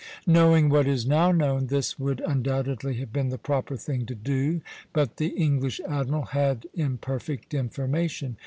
Knowing what is now known, this would undoubtedly have been the proper thing to do; but the English admiral had imperfect information.